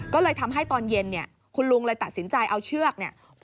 ก็เลยทำให้ตอนเย็นคุณลุงเลยตัดสินใจเอาเชือก